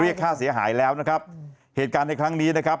ค่าเสียหายแล้วนะครับเหตุการณ์ในครั้งนี้นะครับ